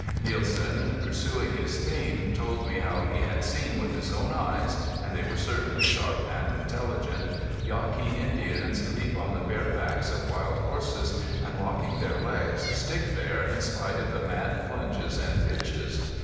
Nielsen, pursuing his theme, told me how he had seen, with his own eyes and they were certainly sharp and intelligent Yaqui Indians leap on the bare backs of wild horses and locking their legs, stick there in spite of the mad plunges and pitches.